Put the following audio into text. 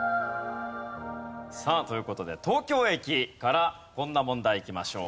さあという事で東京駅からこんな問題いきましょう。